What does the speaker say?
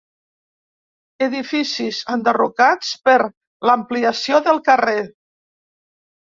Edificis enderrocats per l'ampliació del carrer.